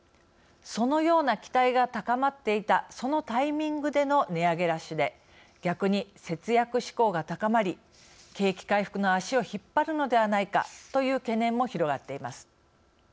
そのような期待が高まっていたそのタイミングでの値上げラッシュで逆に節約志向が高まり景気回復の足を引っ張るのではないかという懸念も広がっています。